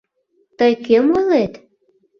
— Тый кӧм ойлет?